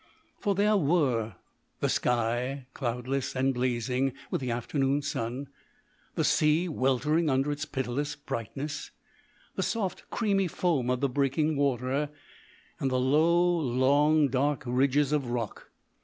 For there were the sky, cloudless and blazing with the afternoon sun, the sea weltering under its pitiless brightness, the soft creamy foam of the breaking water, and the low, long, dark ridges of rock.